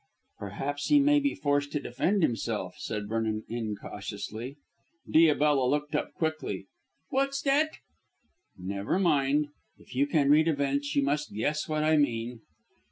"Perhaps he may be forced to defend himself," said Vernon incautiously. Diabella looked up quickly. "What's that?" "Never mind. If you can read events you must guess what I mean."